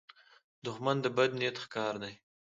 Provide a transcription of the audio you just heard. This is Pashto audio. دښمن د بد نیت ښکار دی